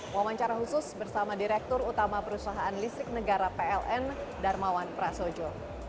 wawancara khusus bersama direktur utama perusahaan listrik negara pln darmawan prasojo